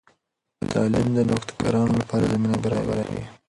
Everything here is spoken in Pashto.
تعلیم د نوښتګرانو لپاره زمینه برابروي.